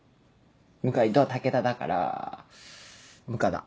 「向井」と「武田」だから「向田」？